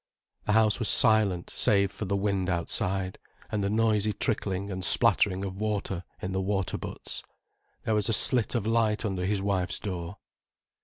The house was silent save for the wind outside, and the noisy trickling and splattering of water in the water butts. There was a slit of light under his wife's door.